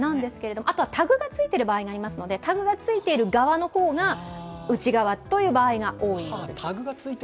あとはタグがついている場合があので、タグがついている側のほうが内側という場合が多いようです。